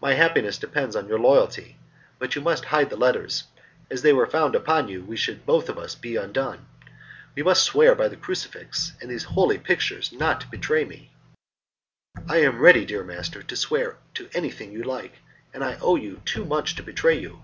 My happiness depends on your loyality, but you must hide the letters, as they were found upon you we should both of us be undone. You must swear by the crucifix and these holy pictures not to betray me." "I am ready, dear master, to swear to anything you like, and I owe you too much to betray you."